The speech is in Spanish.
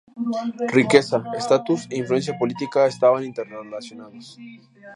Riqueza, estatus e influencia política estaban interrelacionados.